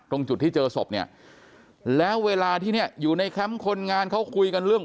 ตรงจุดที่เจอศพเนี่ยแล้วเวลาที่เนี่ยอยู่ในแคมป์คนงานเขาคุยกันเรื่อง